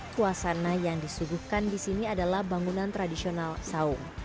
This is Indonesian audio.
kuasana yang disuguhkan di sini adalah bangunan tradisional saung